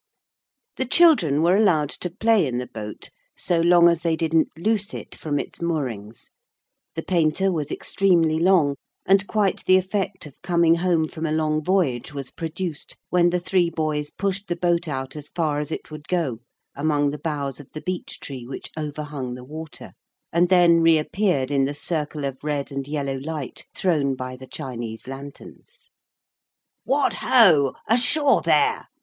The children were allowed to play in the boat so long as they didn't loose it from its moorings. The painter was extremely long, and quite the effect of coming home from a long voyage was produced when the three boys pushed the boat out as far as it would go among the boughs of the beech tree which overhung the water, and then reappeared in the circle of red and yellow light thrown by the Chinese lanterns. 'What ho! ashore there!'